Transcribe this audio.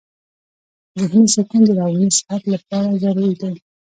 ذهني سکون د رواني صحت لپاره ضروري دی.